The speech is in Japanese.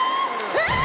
えっ！